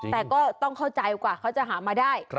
แต่ก็ต้องเข้าใจกว่าเขาจะหามาได้